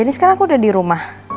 ini sekarang aku udah di rumah